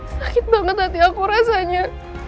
sakit banget hati aku rasanya